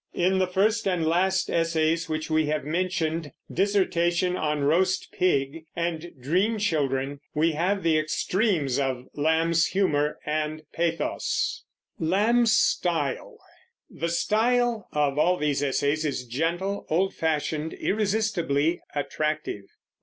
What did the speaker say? In the first and last essays which we have mentioned, "Dissertation on Roast Pig" and "Dream Children," we have the extremes of Lamb's humor and pathos. The style of all these essays is gentle, old fashioned, irresistibly attractive.